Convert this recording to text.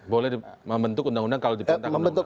boleh membentuk undang undang kalau diperintahkan undang undang